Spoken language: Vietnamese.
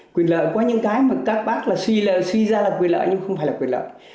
quyền lợi có những cái mà các bác là suy l suy ra là quyền lợi nhưng không phải là quyền lợi